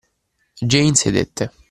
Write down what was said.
Jane sedette.